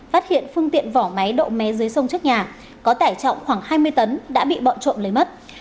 phát hiện phương tiện vỏ máy độ mé dưới sông trước nhà có tải trọng khoảng hai mươi tấn đã bị bọn trộm lấy mất